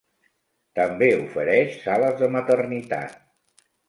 També ofereix sales de maternitat.